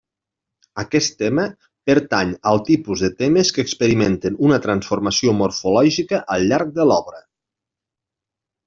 Aquest tema pertany al tipus de temes que experimenten una transformació morfològica al llarg de l'obra.